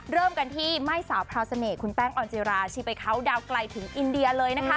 เริ่มกันที่ม่ายสาวพราวเสน่ห์คุณแป้งออนจิราชีไปเขาดาวนไกลถึงอินเดียเลยนะคะ